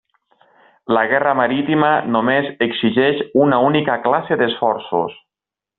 La guerra marítima només exigeix una única classe d'esforços.